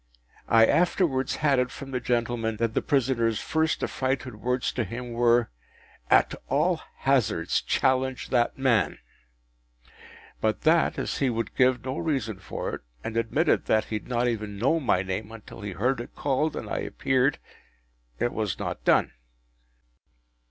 I afterwards had it from that gentleman, that the prisoner’s first affrighted words to him were, “_At all hazards_, challenge that man!” But that, as he would give no reason for it, and admitted that he had not even known my name until he heard it called and I appeared, it was not done.